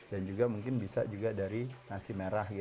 dan juga mungkin bisa dari nasi merah